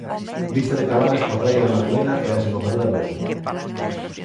Vista de Cabanas coa praia da Madalena e a desembocadura do Eume.